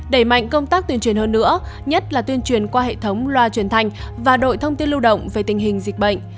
đẩy mạnh công tác tuyên truyền hơn nữa nhất là tuyên truyền qua hệ thống loa truyền thanh và đội thông tin lưu động về tình hình dịch bệnh